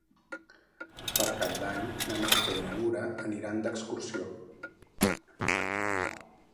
Per Cap d'Any na Marta i na Nura aniran d'excursió.